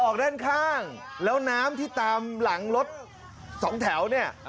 ออกด้านข้างแล้วน้ำที่ตามหลังรถสองแถวเนี่ย